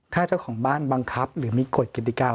ถ้าเจ้าของบ้านบังคับหรือมีกฎกติกา